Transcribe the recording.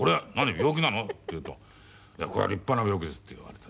病気なの？」って言うと「これは立派な病気です」って言われて。